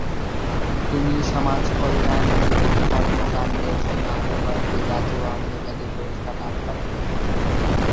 তিনি সমাজকল্যাণ মূলক কর্মকাণ্ডের জন্য আরও কয়েকটি জাতীয় ও আন্তর্জাতিক পুরস্কার লাভ করেন।